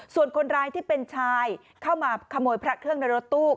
ส่วนคนร้ายที่เป็นชายเข้ามาขโมยพระเครื่องในรถตู้